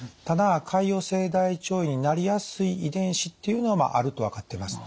ただ潰瘍性大腸炎になりやすい遺伝子っていうのはあると分かっています。